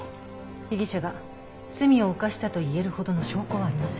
被疑者が罪を犯したと言えるほどの証拠はありません。